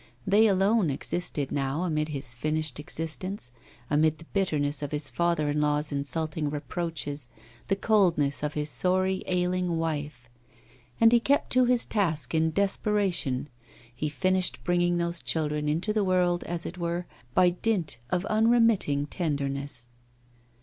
They alone existed now amid his finished existence, amid the bitterness of his father in law's insulting reproaches, the coldness of his sorry, ailing wife. And he kept to his task in desperation; he finished bringing those children into the world, as it were, by dint of unremitting tenderness.